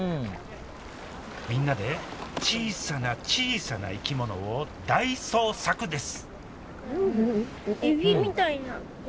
みんなで小さな小さな生き物を大捜索です